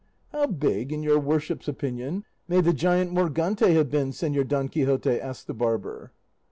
"How big, in your worship's opinion, may the giant Morgante have been, Señor Don Quixote?" asked the barber.